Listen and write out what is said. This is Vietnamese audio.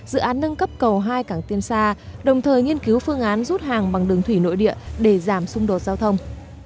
dự án nâng cấp cầu hai cảng tiên sa đồng thời nghiên cứu phương án rút hàng bằng đường thủy nội địa để giảm xung đột giao thông